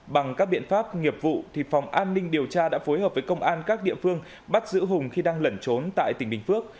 bằng các biện pháp nghiệp vụ phòng an ninh điều tra đã phối hợp với công an các địa phương bắt giữ hùng khi đang lẩn trốn tại tỉnh bình phước